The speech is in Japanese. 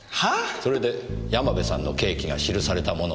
それで山部さんの刑期が記されたものを見た。